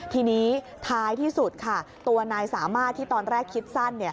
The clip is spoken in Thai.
ทีนี้ท้ายที่สุดค่ะตัวนายสามารถที่ตอนแรกคิดสั้น